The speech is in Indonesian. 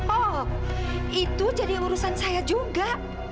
oh itu jadi urusan saya juga